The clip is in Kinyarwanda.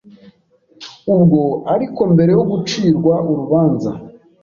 Ubwo ariko mbere yo gucirwa urubanza